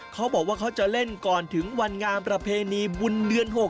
เขาบอกว่าเขาจะเล่นก่อนถึงวันงามประเพณีบุญเดือน๖